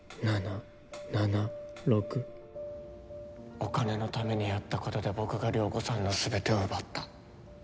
お金のためにやったことで僕が涼子さんの全てを奪った。